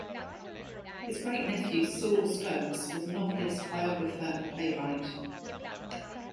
His great nephew, Sewell Stokes, was a novelist, biographer and playwright.